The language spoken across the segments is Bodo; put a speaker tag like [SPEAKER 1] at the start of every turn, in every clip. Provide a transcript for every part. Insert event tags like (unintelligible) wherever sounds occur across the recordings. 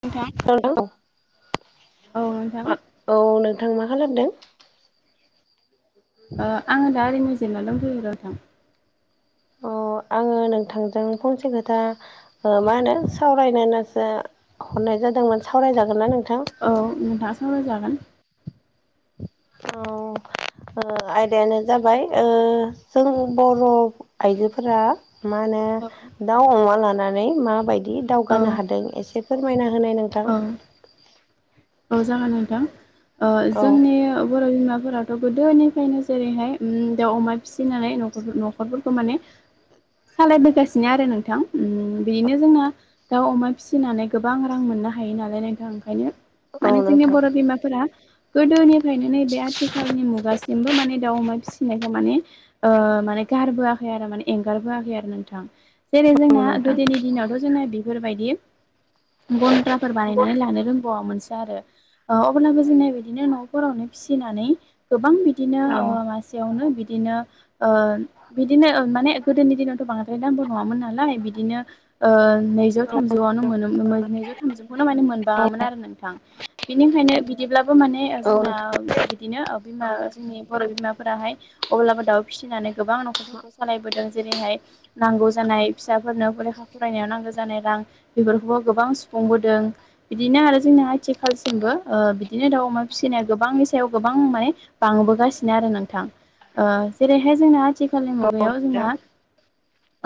[SPEAKER 1] नोंथां औ नोंथां
[SPEAKER 2] औ नोंथां मा खालामदों?
[SPEAKER 1] आङो दा ओरैनो जिरना दंथ'यो नोंथां।
[SPEAKER 2] अ आङो नोंथांजों फनसे खोथा मा होनो सावरायनो होननासो हरनाय जादोंमोन सावरायजागोनना नोंथां?
[SPEAKER 1] औ नोंथां सावराय जागोन।
[SPEAKER 2] औ आयदायानो जाबाय जों बर' आइजोफोरा मा होनो
[SPEAKER 1] औ
[SPEAKER 2] दाउ अमा लानानै माबायदि दावगानो हादों एसे फोरमायना होनाय नों
[SPEAKER 1] औ औ जागोन नोंथां ओ
[SPEAKER 2] औ
[SPEAKER 1] जोंनि बर' बिमाफोरा गोदोनिफ्रायनो जेरैहाय उम दाउ अमा फिसिनाय न'खर न'खरफोरखौ माने सालायबोगासिनो आरो नोंथां ओम बेनो जोंना दाउ अमा फिसिनानै गोबां रां मोननो हायो नालाय नोंथां ओंखायनो
[SPEAKER 2] औ
[SPEAKER 1] माने जोंनि
[SPEAKER 2] नोंथां
[SPEAKER 1] बर' बिमाफोरा गोदोनिफ्रायनो नैबे आथिखालनि मुगासिमबो माने दाउ अमा फिसिनायखौ माने माने गारबोआखै आरो माने एंगारबोआखै आरो नोंथां। जेरै
[SPEAKER 2] औ
[SPEAKER 1] जोंना
[SPEAKER 2] नोंथां
[SPEAKER 1] गोदोनि दिनावथ' जोंना बेफोरबायदि गन्द्रा फोर बानायनानै लानो रोंबावआमोनसो अब्लाबो जोंनाय बिदिनो न'फोरावनो फिसिनानै गोबां बिदिनो
[SPEAKER 2] औ
[SPEAKER 1] (unintelligible) यावनो बिदिनो ओ बिदिनो माने गोदोनि दिनावथ' बांद्राय दामबो नङामोन नालाय बिदिनो नैजौ थामजौआवनो मोनोमो नैजौ थामजौखौनो माने मोनबाङामोन आरो नोंथां। बिनिखायनो बिदिब्लाबो माने
[SPEAKER 2] औ
[SPEAKER 1] जोंना बिदिनो बिमा जोंनि बर' बिमाफोराहाय अब्लाबो दाउ फिसिनानै गोबां न'खर मोसानायबोदों जेरैहाय नांगौ जानाय फिसाफोरनो (unintelligible) फरायनायाव नांगौ जानाय रां बेफोरखौबो गोबां सुफुंबोदों बिदिनो आरो जोंनि आथि खालसिमबो बिदिनो दाउ अमा फिसिनाया गोबांनि सायाव गोबां माने बांबोगासिनो आरो नोंथां ओ जेरैहाय जोंना आथि खालनि मुगायाव
[SPEAKER 2] नोंथां
[SPEAKER 1] जोंना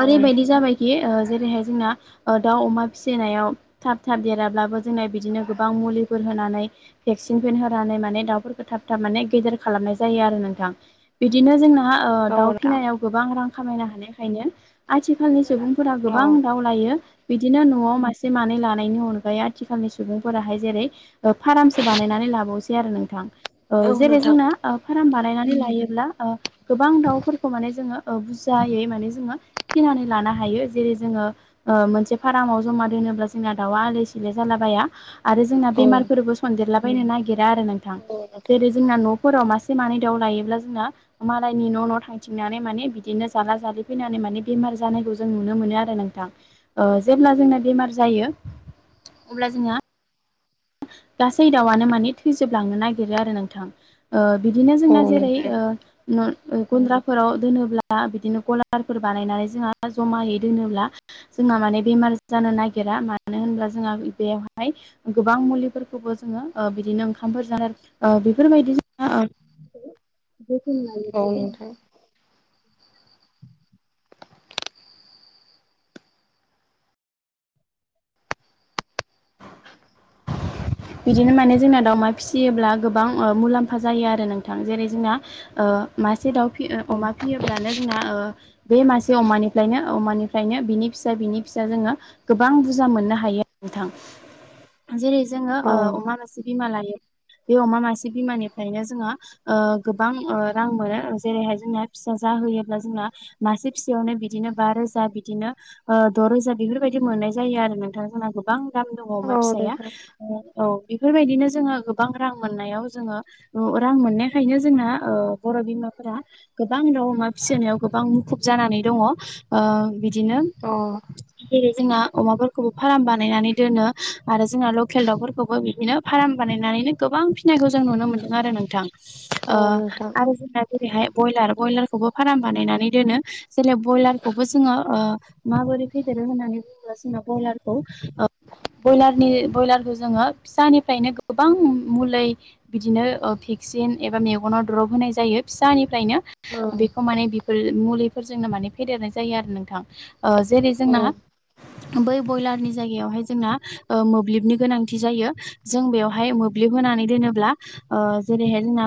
[SPEAKER 1] ओरैबायदि जाबायखि जेरैहाय जोंना दाउ अमा फिसिनायाव थाब थाब देराब्लाबो जोंना बिदिनो गोबां मुलि होनानै भेकसिन (unintelligible) होनानै माने दाउफोरखौ थाब थाब माने गेदेर खालामनाय जायो आरो नोंथां। बिदिनो जोंना
[SPEAKER 2] औ
[SPEAKER 1] दाउ
[SPEAKER 2] नोंथां
[SPEAKER 1] फिनायाव गोबां रां खामायनो हानायखायनो आथि खालनि सुबुंफोरा
[SPEAKER 2] औ
[SPEAKER 1] गोबां दाव लायो बिदिनो न'आव मासे मानै लानायनि अनगायै आथिखालनि सुबुंफोराहाय जेरै फारामसो बानायनानै लाबावसै आरो नोंथां
[SPEAKER 2] औ नोंथां औ
[SPEAKER 1] ओ जेरै
[SPEAKER 2] नोंथां
[SPEAKER 1] जोंना फार्म बानायनानै लायोब्ला गोबां दाउफोरखौ माने जोङो बुरजायै माने जोङो फिनानै लानो हायो जेरै जोङो मोनसे फारामाव जमा दोनोब्ला जोंना दाउआ आलै सिलाय जालाबाया आरो जोंना
[SPEAKER 2] औ
[SPEAKER 1] बेमारफोरबो सनदेरलाबायनो नागिरा आरो नोंथां जेरै जोंना न'फोराव मासे मानै दाउ लायोब्ला जोंना मालायनि न' न' थांथिंनानै माने बिदिनो जाला जालि फैनानै माने बेमार जानायखौ जों नुनो मोनो आरो नोंथां। जेब्ला जोंना बेमार जायो अब्ला जोंहा गासै दाउआनो माने थैजोबलांनो नागिरो आरो नोंथां। बिदिनो
[SPEAKER 2] औ
[SPEAKER 1] जोंना जेरै
[SPEAKER 2] नोंथां
[SPEAKER 1] गुन्द्राफोराव दोनोब्ला बिदिनो गलारफोर बानायनानै जोंहा जमायै दोनोब्ला जोंना माने बेमार जानो नागिरा मानो होनब्ला जोंहा बेयावहाय गोबां गोबां मुलिफोरखौबो जोङो ओ बिदिनो ओंखामफोर जानो बेफोरबायदि ओ
[SPEAKER 2] औ
[SPEAKER 1] (unintelligible)
[SPEAKER 2] नोंथां
[SPEAKER 1] बिदिनो माने जोंना दावमा फिसियोब्ला ओ गोबां मुलाम्फा जायो आरो नोंथां जेरै जोंना ओ मासे दाउ फियो
[SPEAKER 2] औ
[SPEAKER 1] अमा फियोब्लानो जोंना ओ बे मासे अमानिफ्रायनो अमानिफ्रायनो बिनि फिसा बिनि फिसा जोङो गोबां बुरजा मोननो हायो नोंथां। जेरै जोङो ओ
[SPEAKER 2] औ
[SPEAKER 1] अमा मासे बिमा लायो बे अमा मासे बिमानिफ्रायनो जोंहा ओ गोबां ओ रां मोनो जेरैहाय जोंना फिसा जाहोयोब्ला जोंना मासे फिसायावनो बिदिनो बा रोजा बिदिनो ओ द'रोजा बेफोरबायदि मोननाय जायो आरो नोंथां जोंहा गोबां दाम दङ' अमा
[SPEAKER 2] औ
[SPEAKER 1] फिसाया
[SPEAKER 2] नोंथां
[SPEAKER 1] ओ औ बेफोरबायदिनो जोङो गोबां रां मोननायाव जोङो रां मोननायखायनो जोंना ओ बर' बिमाफोरा गोबां दाउ अमा फिसिनायाव गोबां मुखुब जानानै दङ' ओ बिदिनो
[SPEAKER 2] अह
[SPEAKER 1] जेरै जोंना अमाफोरखौबो फार्म बानायनानै दोनो आरो जोंना लकेल दाउफोरखौबो बिदिनो फार्म बानायनानैनो गोबां फिसिनायखौ जों नुनो मोन्दों आरो नोंथां। ओ
[SPEAKER 2] औ नोंथां
[SPEAKER 1] आरो जोंना जेरैहाय ब्रयलार ब्रयलारखौबो फार्म बानायनानै दोनो जेरै ब्रयलारखौबो जोङो ओ माबोरै फेदेरो होननानै बुङोब्ला जोंना ब्रयलारखौ ओ ब्रयलारनि ब्रयलारखौ जोङो फिसानिफ्रायनो गोबां मुलै बिदिनो भेक्सिन एबा मेगनाव द्रब होनाय जायो फिसानिफ्रायनो
[SPEAKER 2] औ
[SPEAKER 1] बेखौ माने मुलिफोरजोंनो माने फेदेरनाय जायो आरो नोंथां ओ जेरै
[SPEAKER 2] औ
[SPEAKER 1] जोंना बै ब्रयलारनि जायगायावहाय जोंना ओ मोब्लिबनि गोनांथि जायो जों बेवहाय मोब्लिब होनानै दोनोब्ला ओ जेरैहाय जोंना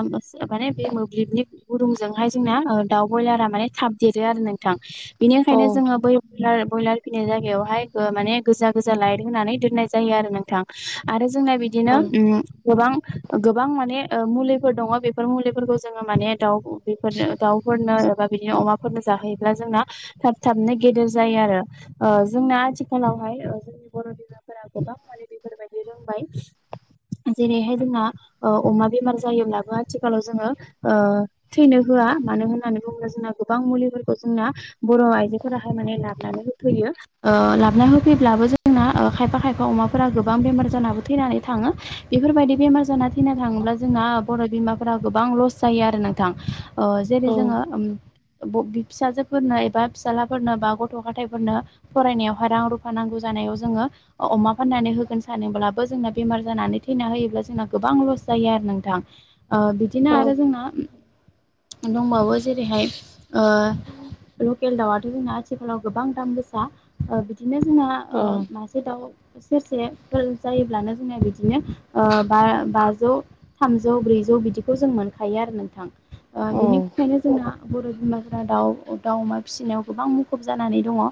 [SPEAKER 1] माने बे मोब्लिबनि गुदुंजोंहाय जोंना ओ दाउ ब्रयलारा माने थाब देरो आरो नोंथां। बिनिखायनो
[SPEAKER 2] ओं
[SPEAKER 1] जोङो बै बल ब्रयलार फिनाय जायगायावहाय माने गोजा गोजा लाइट होनानै दोन होननाय जायो आरो नोंथां आरो जोंना बिदिनो
[SPEAKER 2] औ
[SPEAKER 1] उम गोबां गोबां माने ओ मुलिफोर दङ' बेफोर मुलिफोरखौ जोङो माने दाउ बेफोरनो दाउफोरनो एबा बिदिनो अमाफोरनो जाहोयोब्ला जोंना थाब थाबनो गेदेर जायो आरो जोंना आथिखालावहाय ओ जोंनि बर' फोरा गोबां बेफोर बायदि रोंबाय जेरैहाय जोंना ओ अमा बेमार जायोब्लाबो आथिखालाव जोङो थैनो होआ मानो होननानै बुङोब्ला जोंना गोबां मुलिफोरखौ जोंना बर' आइजोफोराहाय माने लाबोनानै होफैयो ओ लाबोनानै होफैब्लाबो जोंना खायफा खायफा अमाफोरा गोबां बेमार जानाबो थैनानै थाङो बेफोरबायदि बेमार जाना थैना थाङोब्ला जोंना बर' बिमाफोरा गोबां लस जायो आरो नोंथां ओ जेरै
[SPEAKER 2] औ
[SPEAKER 1] जोङो फिसाजोफोरनो एबा फिसाज्लाफोरनो बा गथ' गथायफोरनो फरायनायावहाय रां रुफा नांगौ जानायाव जोङो अमा फाननानै होगोन सानब्लाबो जोंना बेमार जानानै थैना होयोब्ला जोंना गोबां लस जायो आरो नोंथां। ओ बिदिनो
[SPEAKER 2] औ
[SPEAKER 1] आरो जोंना दंबावो जेरैहाय ओ लकेल दाउआथ' जोंना आथिखालाव गोबां दाम गोसा ओ बिदिनो जोंना
[SPEAKER 2] औ
[SPEAKER 1] म सटाव सेरसेफोर जायोब्लानो जोंना बिदिनो ओ बा-बाजौ थामजौ ब्रैजौ बिदिखौ जों मोनखायो आरो नोंथां। ओ बिनिखायनो जोंना बर' बिमाफोरा दाउ दाउ अमा फिसिनायाव गोबां मुखुब जानानै दङ'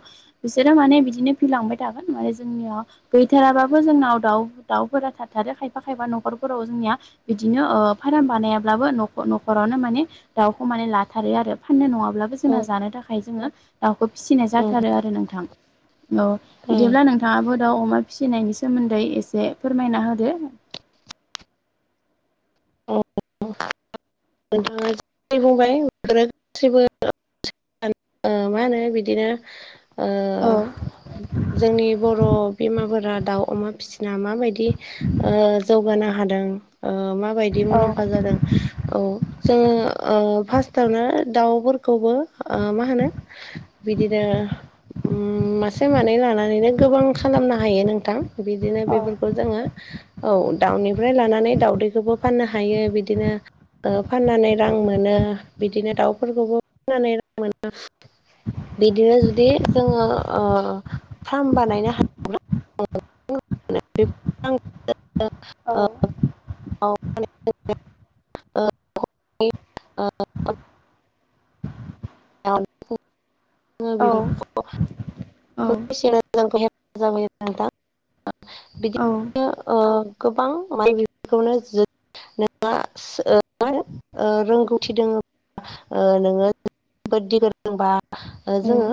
[SPEAKER 1] बिसोरो माने बिदिनो फिलांबाय थागोन माने जोंनियाव गैथाराबाबो जोंनाव दाउ दाउफोरा थाथारो खायफा खायफा न'खरफोराव जोंनिया बिदिनो ओ फाराम बानायाब्लाबो नखर नखरावनो माने दाउखौ माने लाथारो आरो फाननो नङाब्लाबो जोंना जानो थाखाय जोङो दाउखौ फिसिनाय जाथारो आरो नोंथां औ बिदिब्ला
[SPEAKER 2] औ
[SPEAKER 1] नों थाङाबो दाव अमा फिसिनायनि सोमोन्दै एसे फोरमायना होदो।
[SPEAKER 2] औ नोंथाङा जे बुंबाय गासिबो ओ मा होनो बिदिनो ओ
[SPEAKER 1] औ
[SPEAKER 2] जोंनि बर' बिमाफोरा दाउ अमा फिसि ना माबायदि ओ जौगानो हादों ओ माबायदि मुलाम्फा जादों? औ जोङो फार्स्टआवनो दाउफोरखौबो ओ मा होनो बिदिनो उम मासे मानै लानानैनो गोबां खालामनो हायो नोंथां। बिदिनो
[SPEAKER 1] औ
[SPEAKER 2] बेफोरखौ जोङो औ दाउनिफ्राय लानानै दाउदैखौबो फाननो हायो बिदिनो ओ फाननानै रां मोनो बिदिनो दाउफोरखौबो फाननानै रां मोनो। बिदिनो जुदि जोङो ओ फार्म बानायनो हा
[SPEAKER 1] औ
[SPEAKER 2] (unintelligible) आ
[SPEAKER 1] औ
[SPEAKER 2] (unintelligible) गोबां
[SPEAKER 1] औ
[SPEAKER 2] माने बिफोरखौनो जों नोंहा ओ माहोनो ओ रोंगौथि दङ ओ नोङो (unintelligible) ओ जोङो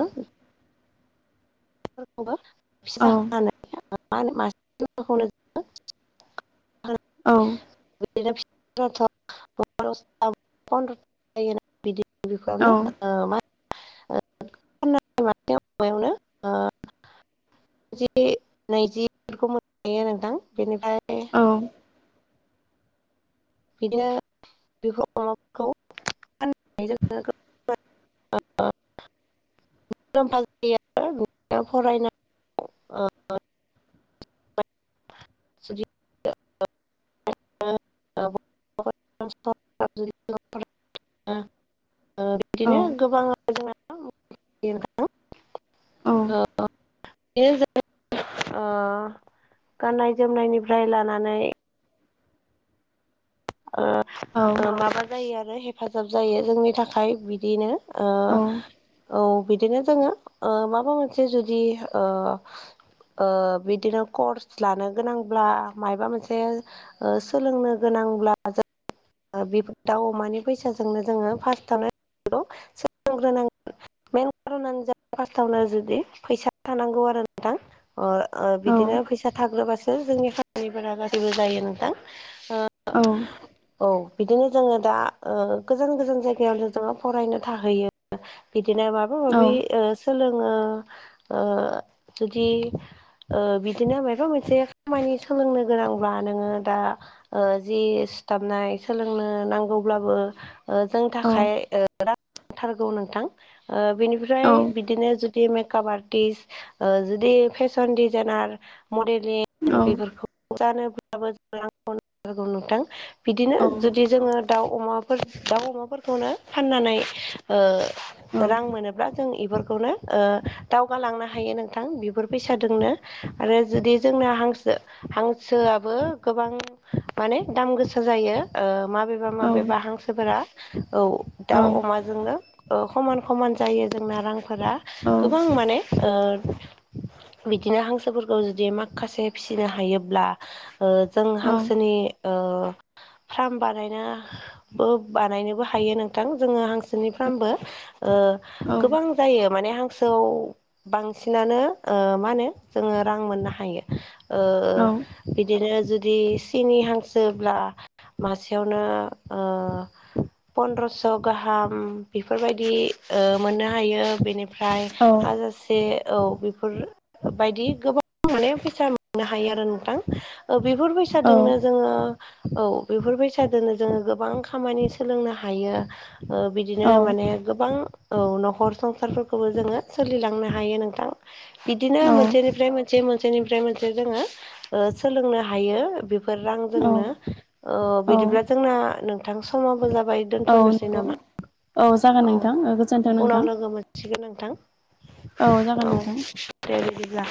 [SPEAKER 1] औ
[SPEAKER 2] फिसा होनानै जों मासेखौनो जोङो
[SPEAKER 1] औ
[SPEAKER 2] (unintelligible) बिदि
[SPEAKER 1] औ
[SPEAKER 2] बेखौनो ओ मा (unintelligible) माबायावनो ओ जि नैजिफोरखौ मोननो हायो नोंथां बेनिफ्राय
[SPEAKER 1] औ औ
[SPEAKER 2] बिदिनो बेखौ (unintelligible) मुलाम्फा जायो फरायनानै (unintelligible) (unintelligible) ओ बिदिनो गोबां
[SPEAKER 1] औ
[SPEAKER 2] जोंना (unintelligible)
[SPEAKER 1] औ
[SPEAKER 2] बे जों ओ गाननाय जोमनायनिफ्राय लानानै ओ
[SPEAKER 1] औ
[SPEAKER 2] ओ माबा जायो आरो हेफाजाब जायो जोंनि थाखाय बिदिनो। ओ औ बिदिनो जोङो ओ माबा मोनसे जुदि ओ ओ बिदिनो कर्स लानो गोनांब्ला मायबा मोनसे ओ सोलोंनो गोनांब्ला ज बेफोर दाउ अमानि फैसाजोंनो जोङो फार्सावनो सोलोंग्रोनांगोन। मेन कारनानो जाबाय फास्ट'आवनो जुदि फैसा थानांगौ आरो नोंथां। अ' आ' बिदिनो फैसा थाग्रोबासो जोंनि खामानिफोरा गासैबो जायो नोंथां।
[SPEAKER 1] औ
[SPEAKER 2] (unintelligible) औ बिदिनो जोङो दा ओ गोजान गोजान जायगायावनो जोङो फरायनो थाहैयो। बिदिनो माबा माबि ओ सोलोङो ओ जुदि ओ बिदिनो माइबा मोनसे खामानि सोलोंनो गोनांब्ला नोङो दा जि सिथाबनाय सोलोंनो नांगौब्लाबो ओ जोंनि थाखाय ओ रां नांथारगौ नोंथां ओ बेनिफ्राय बिदिनो दि मेकप आर्टिस, जुदि फेसन डिजाइनार, मडेलिं बेफोरखौ जानोब्लाबो जोंनो रांखौ नांथारगौ नोंथां। बिदिनो जुदि जोङो दाउ अमाफोर दाउ अमाफोरखौनो फाननानै ओ रां मोनो ब्ला जों बेफोरखौनो ओ दावगालांनो हायो नोंथां बिफोर फैसादोंनो आरो जुदि जोंना हांसो हांसोआबो गोबां माने दाम गोसा जायो ओ माबेबा माबेबा हांसोफोरा औ दाउ अमाजोंनो समान समान जायो जोंना रां फोरा गोबां माने ओ बिदिनो हांसोफोरखौ जुदि माखासे फिसिनो हायोब्ला जों हांसोनि ओ फ्राम बानायनोबो बानायनोबो हायो नोंथां जोङो हांसोनि फ्रामबो। ओ गोबां जायो माने हांसोआव बांसिनानो मा होनो जोङो रां मोननो हायो। बिदिनो जुदि सिनि हांसोब्ला मासेयावनो पन्द्रस' गाहाम बेफोरबायदि मोननो हायो। बेनिफ्राय फ्राय हाजारसे औ बे फोर बायदि गोबां माने फैसा मोननो हायो आरो नोंथां। बेफोर फै सादोंनो जोङो औ बेफोर बैसादोनो जोङो गोबां खामानि सोलोंनो हायो। ओ बिदिनो माने गोबां औ न'खर संसारफोरखौबो जोङो सोलिलांनो हायो नोंथां। बिदिनो मोनसेनिफ्राय मोनसे मोनसेनिफ्राय मोनसे जोङो ओ सोलोंनो हायो। फोर रां
[SPEAKER 1] औ
[SPEAKER 2] जोंनो
[SPEAKER 1] औ
[SPEAKER 2] बिदिब्ला जोंना नोंथां समावबो जाबाय
[SPEAKER 1] औ
[SPEAKER 2] दोन्थ'नोसै
[SPEAKER 1] नंगौ
[SPEAKER 2] नामा?
[SPEAKER 1] जागोन
[SPEAKER 2] औ
[SPEAKER 1] नोंथां ओ गोजोन्थों
[SPEAKER 2] उनाव
[SPEAKER 1] नोंथां
[SPEAKER 2] लोगो मोनसिगोन
[SPEAKER 1] जागोन
[SPEAKER 2] नोंथां औ।
[SPEAKER 1] नोंथां
[SPEAKER 2] दे बिदिब्ला।